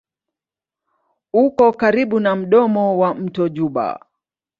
Uko karibu na mdomo wa mto Juba.